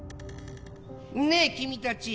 ねえ君たち